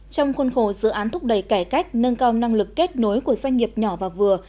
trong khuôn khổ dự án thúc đẩy cải cách nâng cao năng lực kết nối của doanh nghiệp nhỏ và vừa